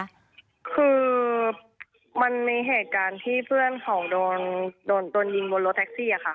คือมันมีเหตุการณ์ที่เพื่อนเขาโดนโดนยิงบนรถแท็กซี่ค่ะ